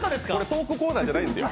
トークコーナーじゃないんですよ。